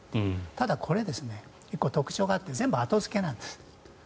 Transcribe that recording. ただ、これは特徴があって全部後付けなんです。